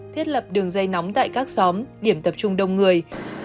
thiết lập đường dây nóng tại các xóm điểm tập trung đông người